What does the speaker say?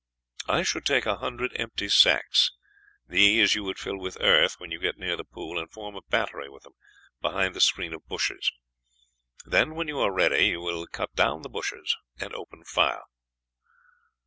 I should take a hundred empty sacks. These you would fill with earth when you get near the pool, and form a battery with them behind the screen of bushes; then, when you are ready, you will cut down the bushes and open fire."